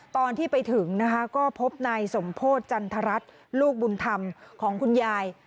ตอนที่ไปถึงนะคะก็พบนายสมโพธิจันทรัศน์ลูกบุญธรรมของคุณยาย